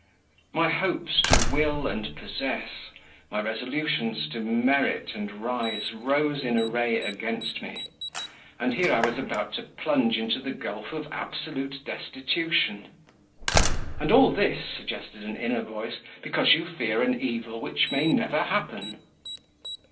My hopes to will and possess, my resolutions to merit and rise, rose in array against me; and here I was about to plunge into the gulf of absolute destitution; "and all this," suggested an inward voice, "because you fear an evil which may never happen!"